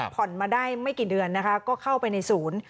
ผ่อนมาได้ไม่กี่เดือนนะคะก็เข้าไปในศูนย์